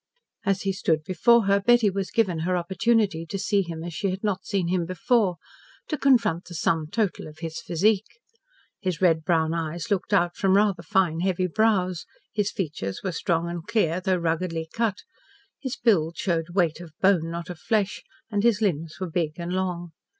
As he stood before her Betty was given her opportunity to see him as she had not seen him before, to confront the sum total of his physique. His red brown eyes looked out from rather fine heavy brows, his features were strong and clear, though ruggedly cut, his build showed weight of bone, not of flesh, and his limbs were big and long.